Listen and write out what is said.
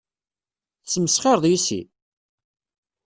Tesmesxireḍ yess-i?